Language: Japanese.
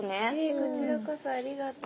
こちらこそありがとう。